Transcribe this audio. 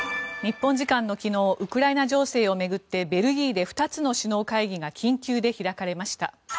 日本時間の昨日ウクライナ情勢を巡ってベルギーで２つの首脳会議が緊急で開かれました。